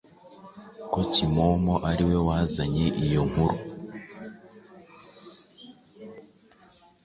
ko Kimomo ari we wazanye iyo nkuru